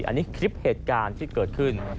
อันนี้คลิปเหตุการณ์ที่เกิดขึ้น